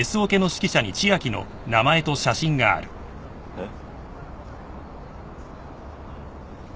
えっ！？